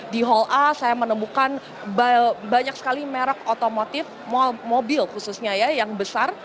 di hall a saya menemukan banyak sekali merek otomotif mobil khususnya ya yang besar